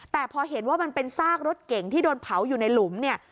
แต่พอเห็นว่ามันเป็นซากรถเก่งที่โดนเผาอยู่ในหลุมเนี่ย